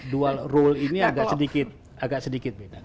dual role ini agak sedikit